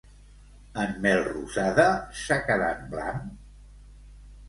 En Melrosada s'ha quedat blanc?